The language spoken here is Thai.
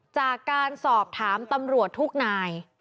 จากการสอบถามตำรวจทุกนาย